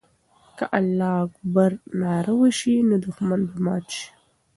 که د الله اکبر ناره وسي، نو دښمن به مات سي.